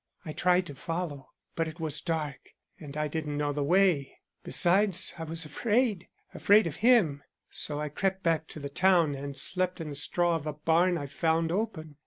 I tried to follow, but it was dark and I didn't know the way; besides I was afraid afraid of him. So I crept back to the town and slept in the straw of a barn I found open.